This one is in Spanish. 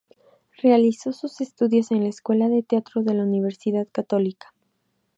Realizó sus estudios en la escuela de teatro de la Universidad Católica.